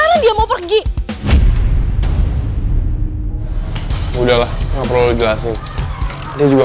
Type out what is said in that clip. lo udah duduk kakak gue